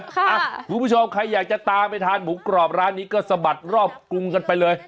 คุณผู้ชมใครอยากจะตามไปทานหมูกรอบร้านนี้ก็สะบัดรอบกรุงกันไปเลย